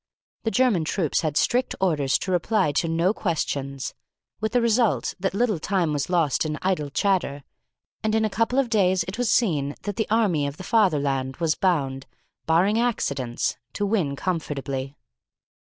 The German troops had strict orders to reply to no questions, with the result that little time was lost in idle chatter, and in a couple of days it was seen that the army of the Fatherland was bound, barring accidents, to win comfortably.